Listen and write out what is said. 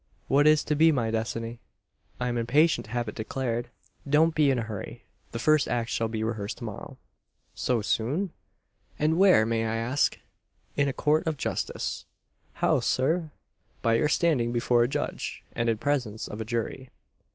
What is to be my destiny? I'm impatient to have it declared." "Don't be in a hurry. The first act shall be rehearsed tomorrow." "So soon? And where, may I ask?" "In a court of justice." "How, sir?" "By your standing before a judge, and in presence of a jury."